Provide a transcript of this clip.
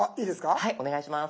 はいお願いします。